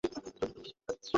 আমার ফিলিপ, একটা আঘাত?